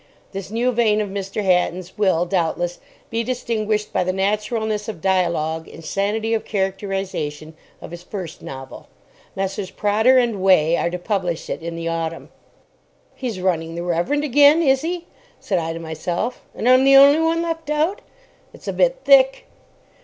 This new vein of Mr. Hatton's will, doubtless, be distinguished by the naturalness of dialogue and sanity of characterisation of his first novel. Messrs. Prodder and Way are to publish it in the autumn. "He's running the Reverend again, is he?" said I to myself. "And I'm the only one left out. It's a bit thick."